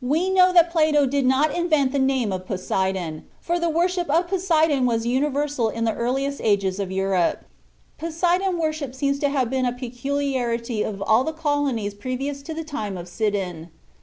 We know that Plato did not invent the name of Poseidon, for the worship of Poseidon was universal in the earliest ages of Europe; "Poseidon worship seems to have been a peculiarity of all the colonies previous to the time of Sidon."